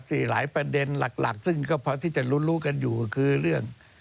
หลายประเด็นหลักซึ่งก็พอที่จะรู้กันอยู่ก็คือเรื่อง